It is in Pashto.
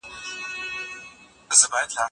د تیزس مسؤلیت د شاګرد په غاړه دی.